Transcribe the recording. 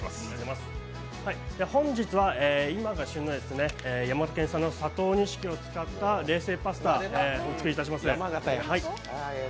本日は今の旬の山形県産の佐藤錦を使った冷製パスタをお作りいたします。